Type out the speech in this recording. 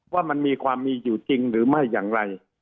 ว่ามันมีความมีอยู่จริงหรือไม่อย่างไร